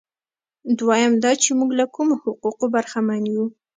دویم دا چې موږ له کومو حقوقو برخمن یو.